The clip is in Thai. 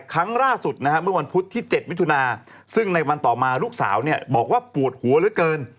ครั้งล่าสุดนะฮะเมื่อวันพุธที่๗มิถุนาซึ่งในวันต่อมาลูกสาวบอกว่าปวดหัวเหลือเกิน